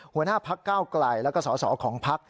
หัวหน้าพักเก้าไกลแล้วก็สอสอของพัก